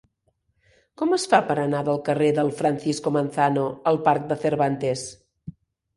Com es fa per anar del carrer de Francisco Manzano al parc de Cervantes?